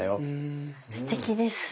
すてきです。